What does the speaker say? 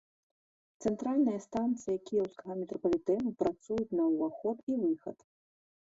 Цэнтральныя станцыі кіеўскага метрапалітэну працуюць на ўваход і выхад.